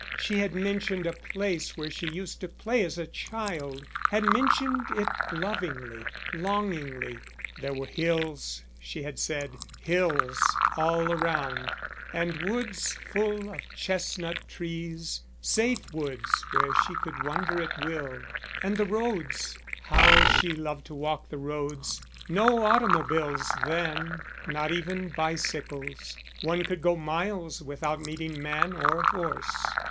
She had mentioned a place where she used to play as a child; had mentioned it lovingly, longingly. There were hills, she had said; hills all around. And woods full of chestnut trees, safe woods where she could wander at will. And the roads how she loved to walk the roads. No automobiles then, not even bicycles. One could go miles without meeting man or horse.